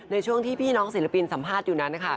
ในช่วงที่พี่น้องศิลปินสัมภาษณ์อยู่นั้นนะคะ